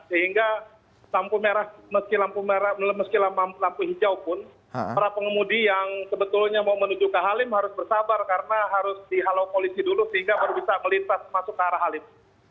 sehingga meski lampu hijau pun para pengemudi yang sebetulnya mau menuju ke halim harus bersabar karena harus dihalau polisi dulu sehingga baru bisa melintas masuk ke arah halim